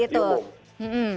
ya itu sudah persepsi umum